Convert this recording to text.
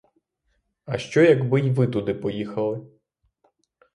А що, якби й ви туди поїхали?